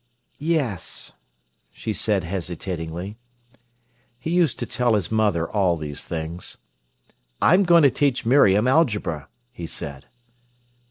"Yes," she said hesitatingly. He used to tell his mother all these things. "I'm going to teach Miriam algebra," he said.